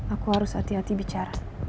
aku harus hati hati bicara